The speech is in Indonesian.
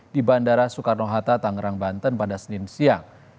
di bandara soekarno hatta tangerang banten pada senin siang